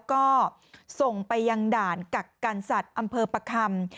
ก็ส่งไปยังด่านกักกันสัตว์อำเภอประคำ